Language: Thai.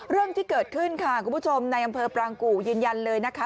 เรื่องที่เกิดขึ้นค่ะคุณผู้ชมในอำเภอปรางกู่ยืนยันเลยนะคะ